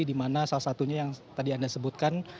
di mana salah satunya yang tadi anda sebutkan